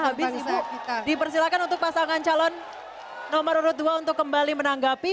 pada habis ibu dipersilakan untuk pasangan calon nomor dua puluh dua untuk kembali menanggapi